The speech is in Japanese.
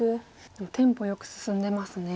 でもテンポよく進んでますね。